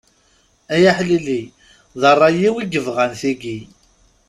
Ay aḥlili, d rray-iw i yebɣan tigi.